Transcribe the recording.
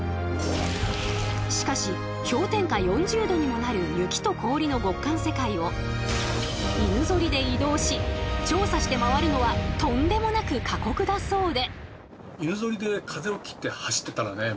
しかし氷点下４０℃にもなる雪と氷の極寒世界を犬ぞりで移動し調査して回るのはとんでもなく過酷だそうで。